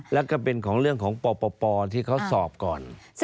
แล้วก็เป็นของเรื่องของปปที่เขาสอบก่อน